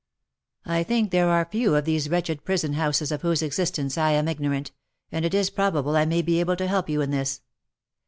I think there are few of these wretched prison houses of whose existence I am ignorant, and it is probable 1 may be able to help you in this.